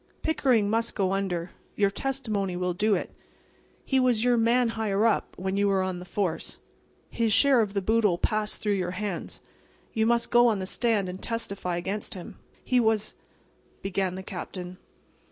Pickering must go under. Your testimony will do it. He was your 'man higher up' when you were on the force. His share of the boodle passed through your hands. You must go on the stand and testify against him." "He was"—began the Captain.